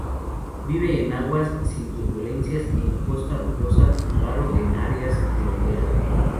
Vive en aguas sin turbulencias en costa rocosa, raro en áreas de oleaje.